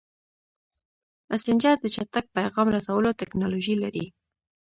مسېنجر د چټک پیغام رسولو ټکنالوژي لري.